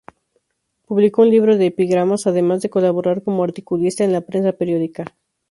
Publicó un libro de Epigramas, además de colaborar como articulista en la prensa periódica.